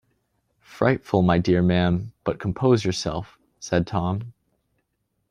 “Frightful, my dear ma’am; but compose yourself,” said Tom.